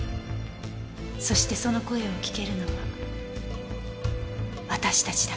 そしてその声を聞けるのは私達だけ。